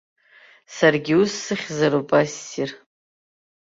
Саргьы ус сыхьзароуп ассир.